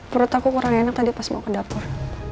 menurut aku kurang enak tadi pas mau ke dapur